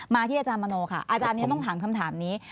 ที่อาจารย์มโนค่ะอาจารย์นี้ต้องถามคำถามนี้